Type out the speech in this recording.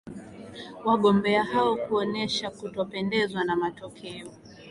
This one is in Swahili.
wagombea hao kuonesha kutopendezwa na matokeo